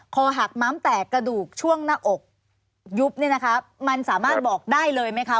คอหักม้ำแตกกระดูกช่วงหน้าอกยุบเนี่ยนะคะมันสามารถบอกได้เลยไหมคะ